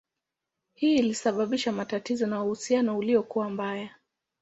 Hii ilisababisha matatizo na uhusiano ulikuwa mbaya.